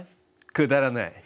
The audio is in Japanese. くだらない。